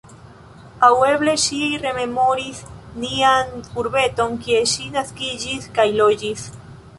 Aŭ eble ŝi rememoris nian urbeton, kie ŝi naskiĝis kaj loĝis.